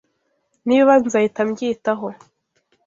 Nibiba Nzahita mbyitaho.